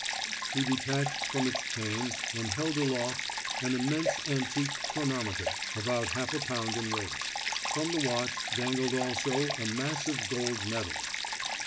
_" He detached from its chain and held aloft an immense antique chronometer, about half a pound in weight. From the watch dangled also a massive gold medal.